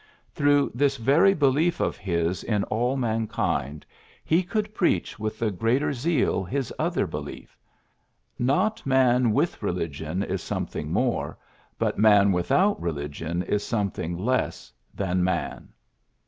Through this very belief of his in all PHILLIPS BROOKS 59 mankind, he could preach with the greater zeal his other belief: ^^Not man with religion is something more, but man without religion is something less than man.'